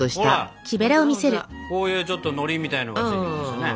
こういうちょっとのりみたいなのがついてきましたね。